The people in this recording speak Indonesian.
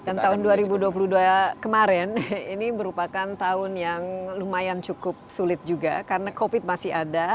dan tahun dua ribu dua puluh dua kemarin ini berupakan tahun yang lumayan cukup sulit juga karena covid masih ada